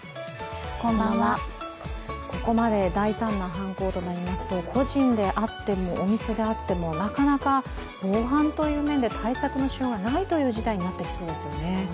ここまで大胆な犯行となりますと個人であっても、お店であってもなかなか防犯という面で対策のしようがないという事態になっていますよね。